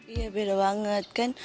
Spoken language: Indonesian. iya beda banget kan